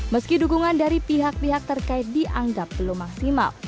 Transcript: meski dukungan dari pihak pihak terkait dianggap belum maksimal